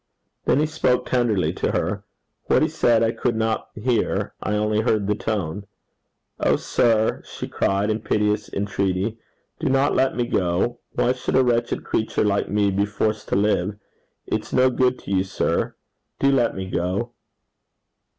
Then he spoke tenderly to her. What he said I could not hear I only heard the tone. 'O sir!' she cried, in piteous entreaty, 'do let me go. Why should a wretched creature like me be forced to live? It's no good to you, sir. Do let me go.'